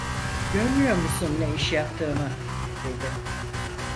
Görmüyor musun ne iş yaptığımı? dedi.